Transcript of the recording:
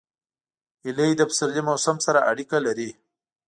هیلۍ د پسرلي موسم سره اړیکه لري